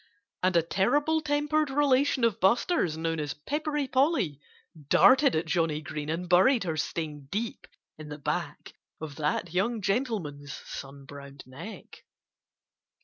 And a terrible tempered relation of Buster's known as Peppery Polly darted at Johnnie Green and buried her sting deep in the back of that young gentleman's sun browned neck.